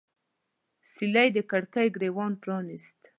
سیلۍ د کړکۍ ګریوان پرانیست